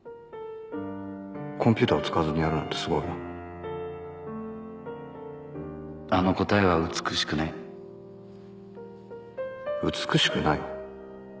コンピューターを使わずにやるなんてすごいなあの答えは美しくない美しくない？